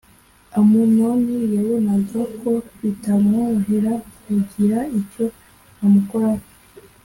Amunoni yabonaga h ko bitamworohera kugira icyo amukoraho